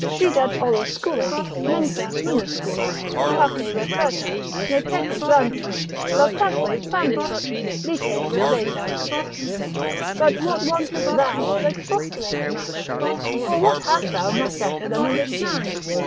Si dat oluscula Mensa minuscula pace referta, Ne pete grandia, Lautaque prandia lite repleta. But what wantest thou, to expostulate the matter? or what hast thou not better than a rich man?